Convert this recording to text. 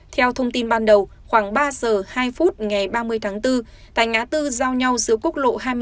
theo thông tin ban đầu khoảng ba giờ hai phút ngày ba mươi tháng bốn tại ngã tư giao nhau giữa quốc lộ hai mươi bốn